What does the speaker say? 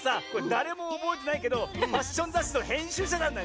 だれもおぼえてないけどファッションざっしのへんしゅうしゃなんだ！